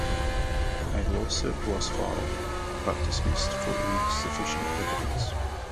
A lawsuit was filed but dismissed for insufficient evidence.